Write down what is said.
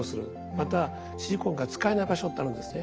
またシリコンが使えない場所ってあるんですね。